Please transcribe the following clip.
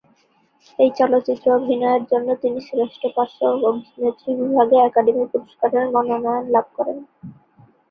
এই চলচ্চিত্রে অভিনয়ের জন্য তিনি শ্রেষ্ঠ পার্শ্ব অভিনেত্রী বিভাগে একাডেমি পুরস্কারের মনোনয়ন লাভ করেন।